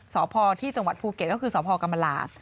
สพที่จังหวัดภูเก็ตก็คือสพกรรมลา